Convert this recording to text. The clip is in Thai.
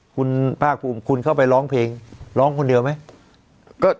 คุณภาคภูมิคุณเข้าไปร้องเพลงร้องคนเดียวไหม